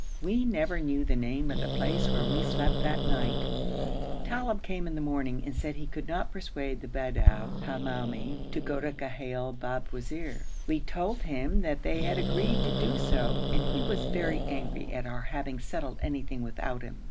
We never knew the name of the place where we slept that night. Talib came in the morning and said he could not persuade the Bedou Hamoumi to go to Ghail Babwazir. We told him that they had agreed to do so, and he was very angry at our having settled anything without him.